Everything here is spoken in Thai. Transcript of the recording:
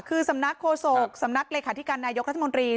คือสำนักโฆษกสำนักเลขาธิการนายกรัฐมนตรี